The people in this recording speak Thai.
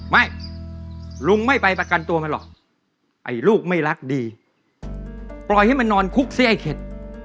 ไม่ลุงไม่ไปประกันตัวมันหรอกไอ้ลูกไม่รักดีปล่อยให้มันนอนคุกซิไอ้เข็ด